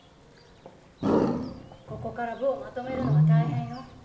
ここから部をまとめるのは大変よ。